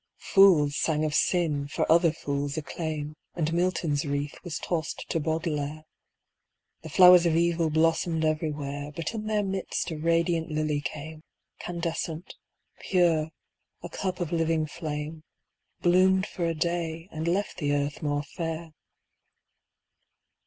Fools sang of sin, for other fools' acclaim, And Milton's wreath was tossed to Baudelaire. The flowers of evil blossomed everywhere, But in their midst a radiant lily came Candescent, pure, a cup of living flame, Bloomed for a day, and left the earth more fair.